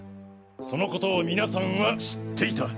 そのことを皆さんは知っていた。